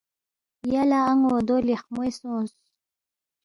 ”یا لہ ان٘و دو لیخمو سونگ